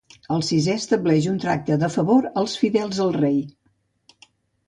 El sisè estableix un tracte de favor als fidels al rei.